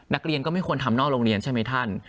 นักเรียนก็ไม่ควรทำนอกโรงเรียนใช่ไหมท่าน